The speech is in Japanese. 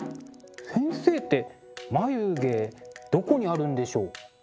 先生って眉毛どこにあるんでしょう？